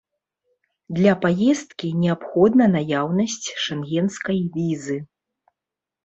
Для паездкі неабходна наяўнасць шэнгенскай візы.